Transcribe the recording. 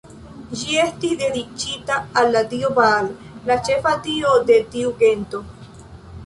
Ĝi estis dediĉita al la dio Baal, la ĉefa dio de tiu gento.